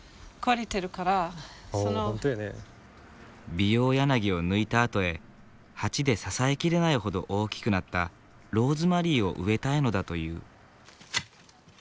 ビヨウヤナギを抜いたあとへ鉢で支えきれないほど大きくなったローズマリーを植えたいのだという。